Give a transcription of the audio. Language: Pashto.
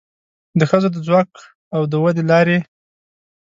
د ښځو د ځواک او ودې لارې